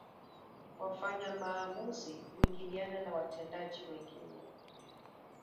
Wafanya maamuzi huingiliana na watendaji wengine